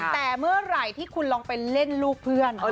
แต่เมื่อไหร่ที่คุณลองไปเล่นลูกเพื่อน